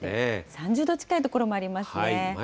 ３０度近い所もありますね。